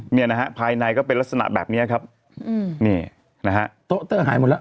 เนี่ยนะฮะภายในก็เป็นลักษณะแบบเนี้ยครับโต๊ะเต้อหายหมดแล้ว